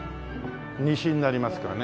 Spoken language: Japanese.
西になりますかね？